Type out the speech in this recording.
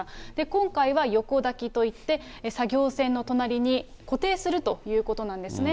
今回は横抱きといって、作業船の隣に固定するということなんですね。